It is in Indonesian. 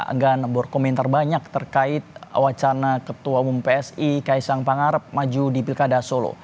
enggan berkomentar banyak terkait wacana ketua umum psi kaisang pangarep maju di pilkada solo